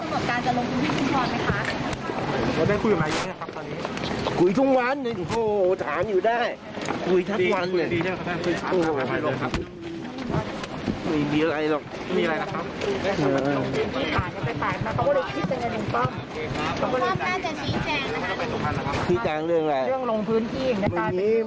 เฮ้ยสิชี้แจงนะฮะชี้แจงเรื่องอะไรเรื่องลงพื้นที่